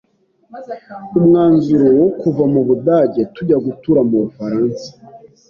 umwanzuro wo kuva mu budage tujya gutura mu bufaransa